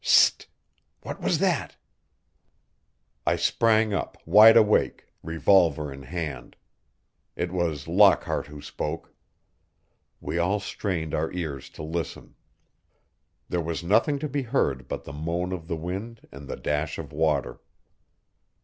"S s t! What was that?" I sprang up, wide awake, revolver in hand. It was Lockhart who spoke. We all strained our ears to listen. There was nothing to be heard but the moan of the wind and the dash of water.